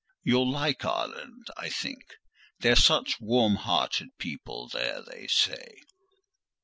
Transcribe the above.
You'll like Ireland, I think: they're such warm hearted people there, they say."